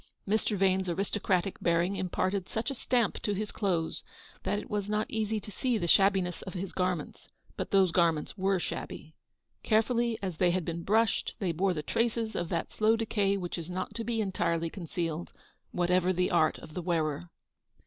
Mr. Vane's aristocratic bearing imparted such a stamp to his clothes, that it was not easy to see the shabbiness of his garments; but those gar ments were shabby. Carefully as they had been brushed, they bore the traces of that slow decay which is not to be entirely concealed, whatever the art of the wearer.